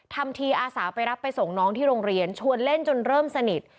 ทำทีอาสาไปรับไปส่งน้องที่โรงเรียนชวนเล่นจนเริ่มสนิท